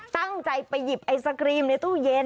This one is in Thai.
ตั้งใจไปหยิบไอศกรีมในตู้เย็น